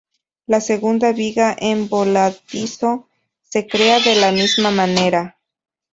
La segunda viga en voladizo se crea de la misma manera.